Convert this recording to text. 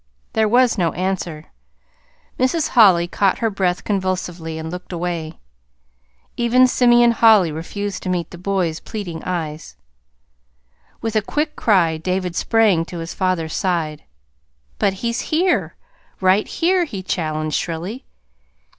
There was no answer. Mrs. Holly caught her breath convulsively and looked away. Even Simeon Holly refused to meet the boy's pleading eyes. With a quick cry David sprang to his father's side. "But he's here right here," he challenged shrilly.